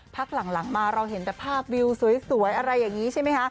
พักหลังมาเราเห็นแต่ภาพวิวสวยอะไรอย่างนี้ใช่ไหมคะ